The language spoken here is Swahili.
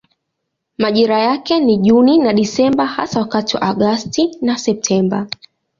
Majira yake ni Juni na Desemba hasa wakati wa Agosti na Septemba.